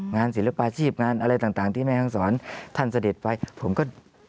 งานศิลปาอาชีพงานอะไรต่างที่แม่ทางสอนท่านเสด็จไปผมก็